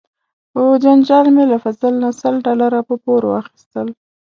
په جنجال مې له فضل نه سل ډالره په پور واخیستل.